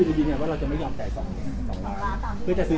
ย้อนถามถึงฉีดสัญญาคือเราจะยอมจ่าย๒ล้านตามที่เขาเยื่อน